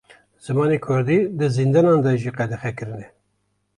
Zimanê Kurdî, di zindanan de jî qedexe kirine